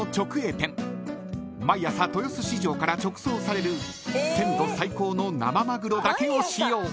［毎朝豊洲市場から直送される鮮度最高の生マグロだけを使用］